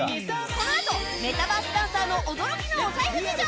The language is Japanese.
このあとメタバースダンサーの驚きのお財布事情！